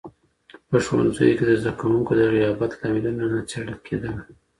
په ښوونځیو کي د زده کوونکو د غیابت لاملونه نه څېړل کيدل.